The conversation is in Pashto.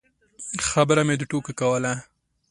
خبره مې د ټوکو کوله.